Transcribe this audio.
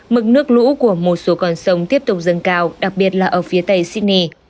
mực nước lũ của một số con sông tiếp tục dâng cao đặc biệt là ở phía tây sydney